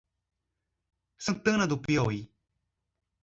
Santana do Piauí